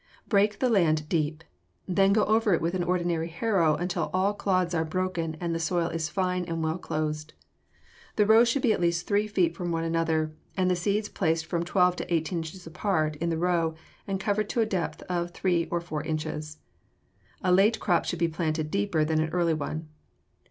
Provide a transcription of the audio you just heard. Break the land deep. Then go over it with an ordinary harrow until all clods are broken and the soil is fine and well closed. The rows should be at least three feet from one another and the seeds placed from twelve to eighteen inches apart in the row, and covered to a depth of three or four inches. A late crop should be planted deeper than an early one.